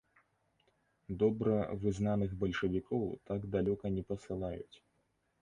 Добра вызнаных бальшавікоў так далёка не пасылаюць.